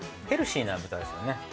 ヘルシーな豚ですよね。